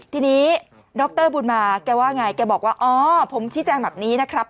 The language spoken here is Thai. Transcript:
ทีนี้ดรบุญมาแกว่าไงแกบอกว่าอ๋อผมชี้แจงแบบนี้นะครับ